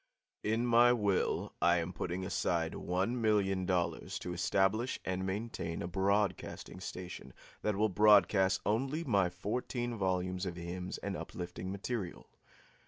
In my will I am putting aside one million dollars to establish and maintain a broadcasting station that will broadcast only my fourteen volumes of hymns and uplifting material.